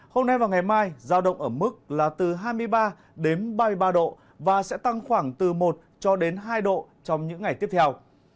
hôm nay và ngày mai giao động ở mức là từ hai mươi ba đến ba mươi ba độ và sẽ tăng khoảng từ một cho đến hai độ trong những ngày tiếp theo